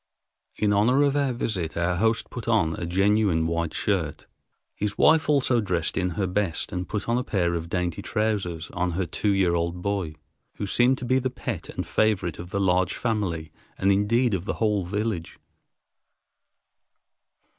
In honor of our visit, our host put on a genuine white shirt. His wife also dressed in her best and put a pair of dainty trousers on her two year old boy, who seemed to be the pet and favorite of the large family and indeed of the whole village.